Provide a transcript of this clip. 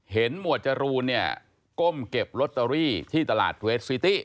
เห็นหมวดจรูนก้มเก็บรอตเตอรี่ที่ตลาดเวสซีตี้